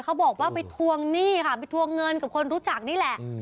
เขาบอกว่าไปทวงหนี้ค่ะไปทวงเงินกับคนรู้จักนี่แหละ